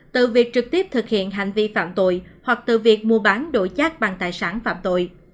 từ việc trực tiếp thực hiện hành vi phạm tội hoặc từ việc mua bán đổi chát bằng tài sản phạm tội